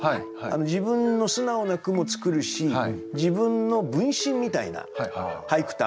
自分の素直な句も作るし自分の分身みたいな俳句ってあるんですよ。